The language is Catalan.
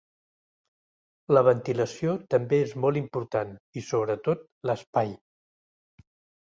La ventilació també és molt important, i sobretot, l’espai.